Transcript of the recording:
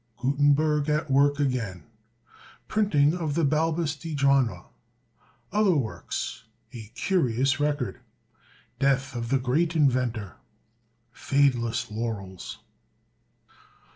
Gutenberg at Work again. Printing of the "Balbus de Janua." Other Works. A Curious Record. Death of the Great Inventor. Fadeless Laurels.